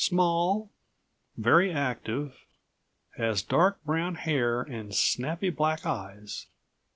"Small, very active, has dark brown hair and snappy black eyes."